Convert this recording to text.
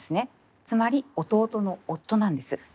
つまり弟の夫なんです。